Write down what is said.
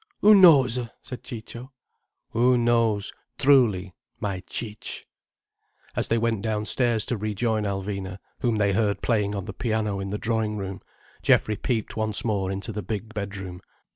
"Who knows!" said Ciccio. "Who knows, truly, my Cic'." As they went downstairs to rejoin Alvina, whom they heard playing on the piano in the drawing room, Geoffrey peeped once more into the big bedroom.